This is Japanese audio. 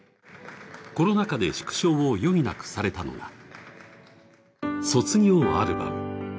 コロナ禍で縮小を余儀なくされたのが卒業アルバム。